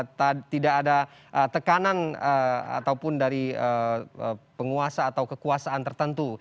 tanpa pilah pilih begitu ya tidak ada tekanan ataupun dari penguasa atau kekuasaan tertentu